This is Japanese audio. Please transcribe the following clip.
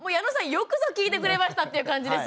よくぞ聞いてくれましたっていう感じです。